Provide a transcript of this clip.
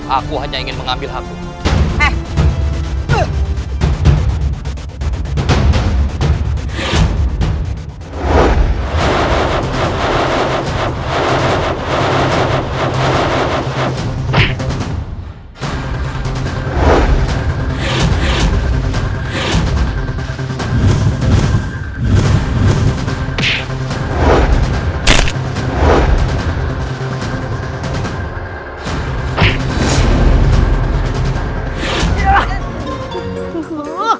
aku hanya ingin mengambil hampir